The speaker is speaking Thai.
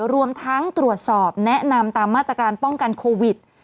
รวมทั้งตรวจสอบแนะนำตามมาตรการป้องกันโควิด